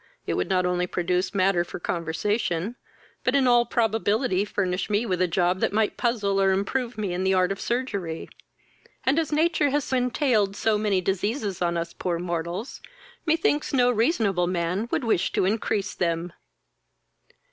It would not only produce matter for conversation, but in all probability furnish me with a job that might puzzle or improve me in the art of surgery; and, as nature had entailed so many diseases on us poor mortals, methinks no reasonable man would wish to increase them."